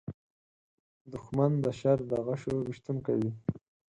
دښمن د شر د غشو ویشونکی وي